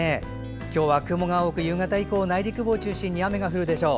今日は、雲が多く夕方以降は内陸部を中心に雨が降るでしょう。